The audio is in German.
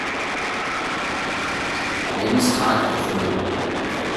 Lebenstag erfolgen.